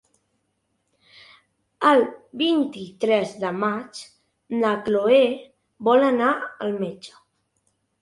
El vint-i-tres de maig na Cloè vol anar al metge.